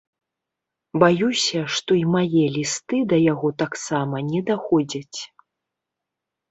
Баюся, што і мае лісты да яго таксама не даходзяць.